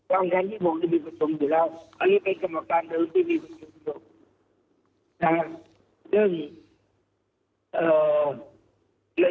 ต่างแทนที่หกมันมีประชุมอยู่แล้วอันนี้เป็นกรรมการบริหารที่มีประชุมอยู่แล้ว